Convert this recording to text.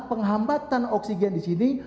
penghambatan oksigen di sini